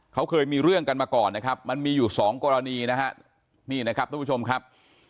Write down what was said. เขาเคยมีเรื่องกันมาก่อนนะครับมันมีอยู่สองกรณีนะฮะนี่นะครับทุกผู้ชมครับ